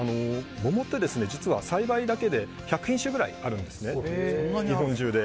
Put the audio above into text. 桃って実は栽培だけで１００品種ぐらいあるんです日本中で。